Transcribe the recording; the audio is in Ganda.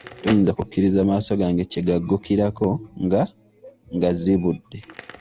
Toyinza kukkiriza maaso gange kye gaggukirako nga ngazibudde.